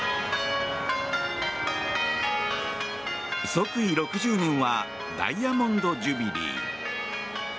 即位６０年はダイヤモンド・ジュビリー。